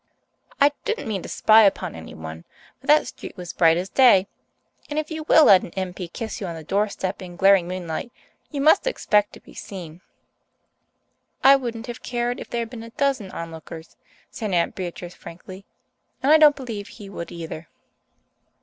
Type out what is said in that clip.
I didn't mean to spy upon anyone but that street was bright as day! And if you will let an M.P. kiss you on the doorstep in glaring moonlight, you must expect to be seen." "I wouldn't have cared if there had been a dozen onlookers," said Aunt Beatrice frankly, "and I don't believe he would either."